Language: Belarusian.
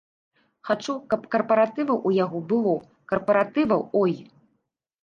Хачу, каб карпаратываў у яго было, карпаратываў, ой!